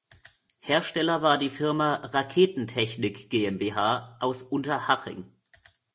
Hersteller war die Firma "Raketentechnik GmbH" aus Unterhaching.